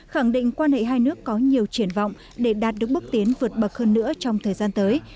khẳng định quan hệ hai nước có nhiều triển vọng để đạt được bước tiến vượt bậc hơn nữa trong thời gian tới